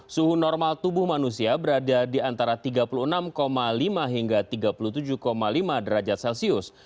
suhu normal tubuh manusia berada di antara tiga puluh enam lima hingga tiga puluh tujuh lima derajat celcius